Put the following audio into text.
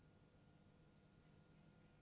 bang mamak kambing si bek yang